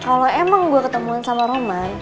kalo emang gue ketemuan sama roman